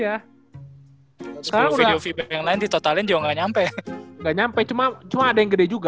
iya sekarang video video yang lain ditotalin juga nyampe nyampe cuma cuma ada yang gede juga